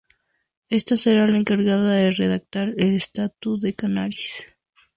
Ésta será la encargada de redactar el estatuto de Canarias.